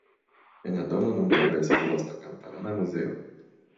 En la domo nuntempe situas la kamparana muzeo.